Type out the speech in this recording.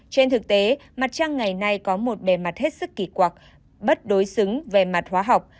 trên thực tế mặt trăng ngày nay có một bề mặt hết sức kỳ quặc bất đối xứng về mặt hóa học